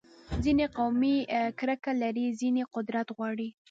ځینې قومي کرکه لري، ځینې قدرت غواړي.